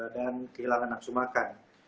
dan kehilangan nafsu makan